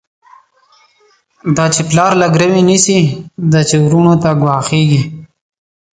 دا چی پلار له ګروی نيسی، دا چی وروڼو ته ګواښيږی